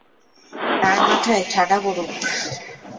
তার মাথায় ঠাডা পরুক!